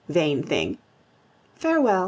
Vain thing! Farewell.